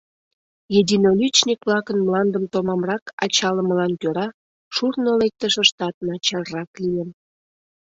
Единоличник-влакын мландым томамрак ачалымылан кӧра шурно лектышыштат начаррак лийын.